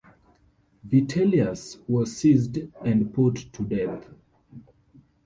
Vitellius was seized and put to death.